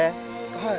はい。